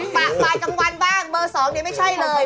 ปะปลายกลางวันบ้างเบอร์๒เนี่ยไม่ใช่เลย